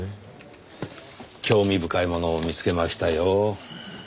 興味深いものを見つけましたよ。